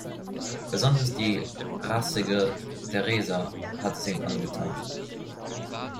Besonders die rassige Teresa hat es ihm angetan.